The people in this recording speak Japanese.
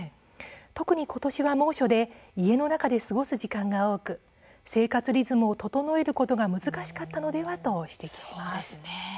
特に今年は猛暑で家の中で過ごす時間が多く生活リズムを整えることが難しかったのではと指摘します。